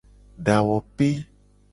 Dawope.